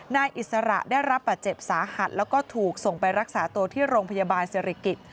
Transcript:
นายอิสระได้รับบาดเจ็บสาหัสแล้วก็ถูกส่งไปรักษาตัวที่โรงพยาบาลศิริกิจ